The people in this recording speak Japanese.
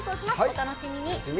お楽しみに。